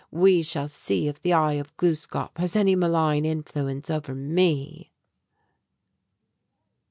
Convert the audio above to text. We shall see if the 'Eye of Gluskâp' has any malign influence over me!"